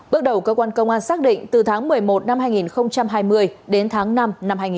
bước đầu cơ quan công an xác định từ tháng một mươi một năm hai nghìn hai mươi đến tháng năm năm hai nghìn hai mươi